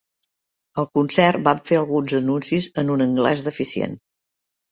Al concert, van fer alguns anuncis en un anglès deficient.